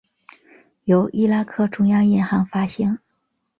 由伊拉克中央银行发行。